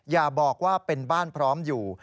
อย่าบอกว่าเป็นบ้านพร้อมอยู่